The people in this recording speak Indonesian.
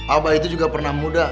abah itu juga pernah muda